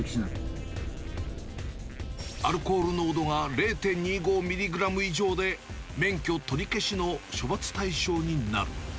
アルコール濃度が０．２５ミリグラム以上で、免許取り消しの処罰対象になる。